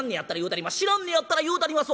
知らんねやったら言うたります。